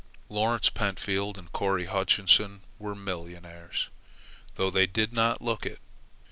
Lawrence Pentfield and Corry Hutchinson were millionaires, though they did not look it.